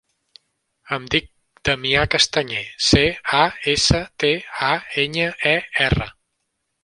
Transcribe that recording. Em dic Damià Castañer: ce, a, essa, te, a, enya, e, erra.